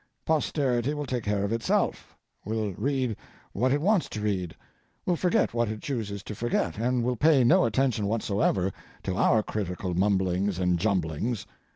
Posterity will take care of itself, will read what it wants to read, will forget what it chooses to forget, and will pay no attention whatsoever to our critical mumblings and jumblings.